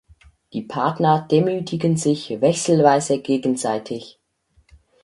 Die Partner demütigen sich wechselweise gegenseitig.